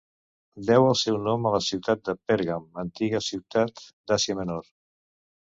Deu el seu nom a la ciutat de Pèrgam, antiga ciutat d'Àsia Menor.